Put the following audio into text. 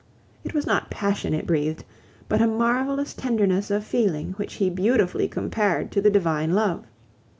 It was not passion it breathed, but a marvelous tenderness of feeling which he beautifully compared to the divine love.